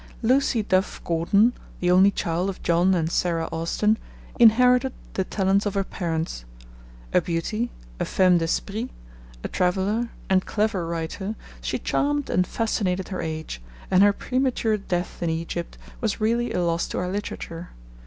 Lucie Duff Gordon, the only child of John and Sarah Austin, inherited the talents of her parents. A beauty, a femme d'esprit, a traveller, and clever writer, she charmed and fascinated her age, and her premature death in Egypt was really a loss to our literature.